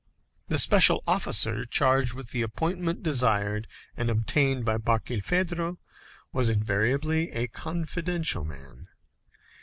The special officer charged with the appointment desired and obtained by Barkilphedro was invariably a confidential man.